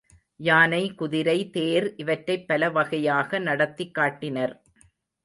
யானை, குதிரை, தேர் இவற்றைப் பலவகையாக நடத்திக் காட்டினர்.